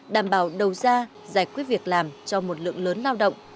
đảm bảo đầu ra giải quyết việc làm cho một lượng lớn lao động